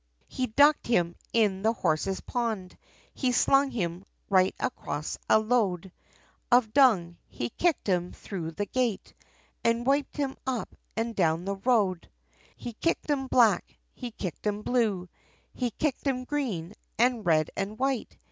He ducked him, in the horses' pond, He slung him, right across a load Of dung, he kicked him thro' the gate, And wiped him up and down the road! He kicked him black! He kicked him blue! He kicked him green! and red and white!